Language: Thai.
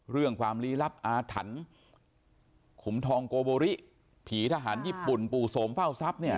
ความลี้ลับอาถรรพ์ขุมทองโกโบริผีทหารญี่ปุ่นปู่โสมเฝ้าทรัพย์เนี่ย